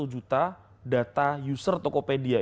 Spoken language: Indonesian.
sembilan puluh satu juta data user tokopedia